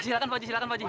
silahkan pak haji